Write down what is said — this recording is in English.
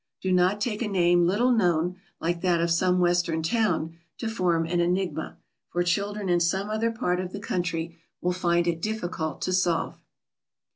Do not take a name little known, like that of some Western town, to form an enigma, for children in some other part of the country will find it difficult to solve.